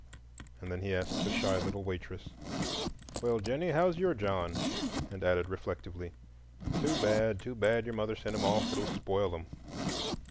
And then he asked the shy little waitress, "Well, Jennie, how's your John?" and added reflectively, "Too bad, too bad your mother sent him off—it will spoil him."